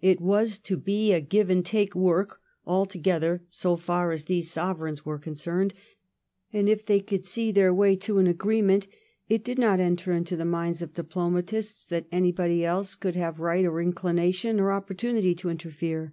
It was to be a give and take work altogether so far as these Sovereigns were concerned, and if they could see their way to an agreement, it did not enter into the minds of diplomatists that anybody else could have right, or inclination, or opportunity to interfere.